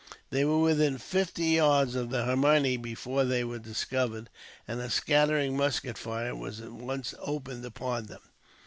They were within fifty yards of the Hermione before they were discovered, and a scattering musket fire was at once opened upon them.